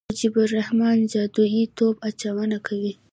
مجيب الرحمن جادويي توپ اچونه کوي.